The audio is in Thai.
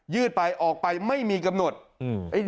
ืดไปออกไปไม่มีกำหนดอืม